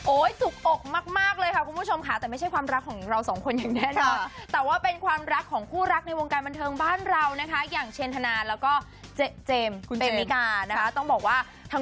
โอ้ยจุกอกมากมากเลยค่ะคุณผู้ชมค่ะแต่ไม่ใช่ความรักของเราสองคนอย่างแน่นอน